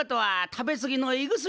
食べ過ぎの胃薬？